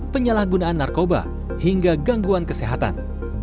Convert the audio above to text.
penyalahgunaan narkoba hingga gangguan kesehatan